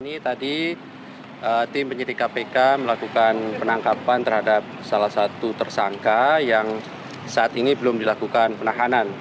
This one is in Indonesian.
ini tadi tim penyidik kpk melakukan penangkapan terhadap salah satu tersangka yang saat ini belum dilakukan penahanan